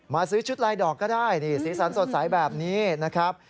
ซื้อชุดลายดอกก็ได้นี่สีสันสดใสแบบนี้นะครับ